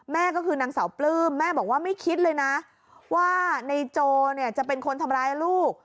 แม่ก็คือนางสาวปลื้มแม่บอกว่าไม่คิดเลยนะว่าในโจเนี่ยจะเป็นคนทำร้ายลูก